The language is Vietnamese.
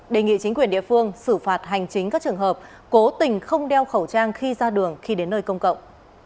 đề nghị chính quyền địa phương xử phạt hành chính các trường hợp cố tình không đeo khẩu trang khi ra đường khi đến nơi công cộng